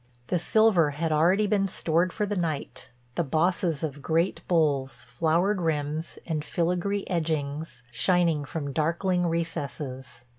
The silver had already been stored for the night, the bosses of great bowls, flowered rims, and filagree edgings shining from darkling recesses.